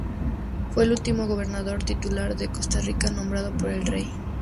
Fue el último Gobernador titular de Costa Rica nombrado por el Rey.